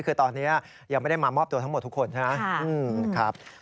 คือตอนนี้ยังไม่ได้มามอบตัวทั้งหมดทุกคนใช่ไหม